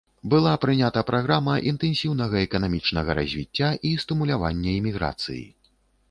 Была прынята праграма інтэнсіўнага эканамічнага развіцця і стымулявання іміграцыі.